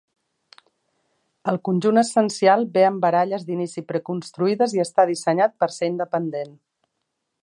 El conjunt essencial ve amb baralles d'inici pre-construïdes i està dissenyat per ser independent.